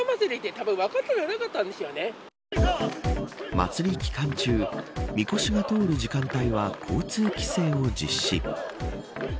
祭り期間中みこしが通る時間帯は交通規制を実施。